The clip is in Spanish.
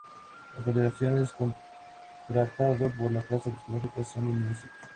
A continuación es contratado por la casa discográfica Sony Music.